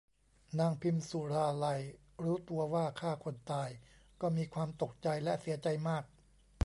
นางพิมสุราลัยรู้ตัวว่าฆ่าคนตายก็มีความตกใจและเสียใจมาก